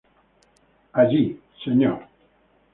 Allí, Mr.